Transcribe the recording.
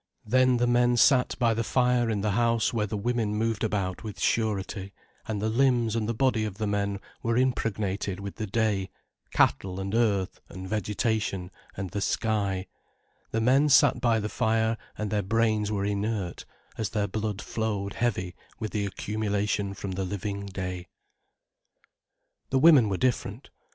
Then the men sat by the fire in the house where the women moved about with surety, and the limbs and the body of the men were impregnated with the day, cattle and earth and vegetation and the sky, the men sat by the fire and their brains were inert, as their blood flowed heavy with the accumulation from the living day. The women were different.